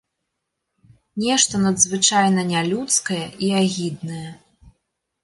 Нешта надзвычайна нялюдскае і агіднае.